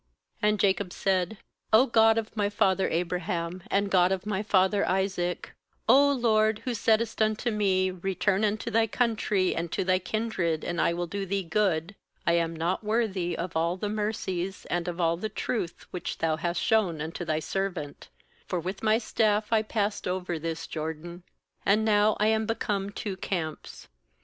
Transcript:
"And Jacob said: {0 God of my father Abraham, and God of my father Isaac, O LORD, who saidst unto me: Return unto thy country, and to thy kindred, and I will do thee good; UI am not worthy of all the mercies, and of all the truth, which Thou hast shown unto Thy servant; for with my staff I passed over this Jordan; and now I am become two camps.